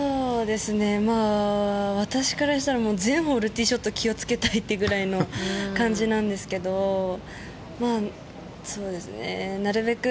私からしたら全ホールティーショット気をつけたいというぐらいの感じなんですけどなるべく